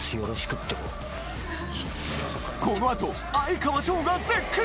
このあと哀川翔が絶句！